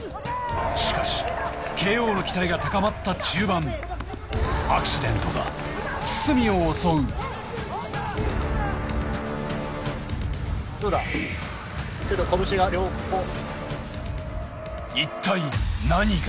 しかしＫＯの期待が高まった中盤アクシデントが堤を襲う一体何が